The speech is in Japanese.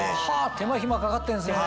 手間暇かかってるんですね。